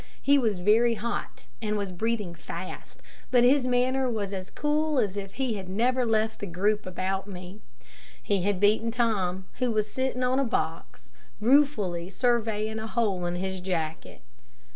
He was very hot, and was breathing fast, but his manner was as cool as if he had never left the group about me. He had beaten Tom, who was sitting on a box, ruefully surveying a hole in his jacket.